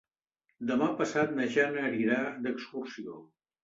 Demà passat na Jana anirà d'excursió.